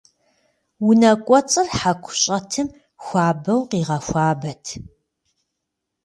Унэкӏуэцӏыр хьэку щӏэтым хуабэу къигъэхуабэт.